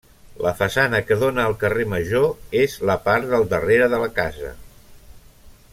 La façana que dóna al carrer Major és la part del darrere de la casa.